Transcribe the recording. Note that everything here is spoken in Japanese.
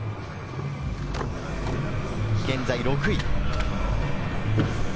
現在６位。